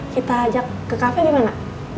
kita ajak ke cafe gimana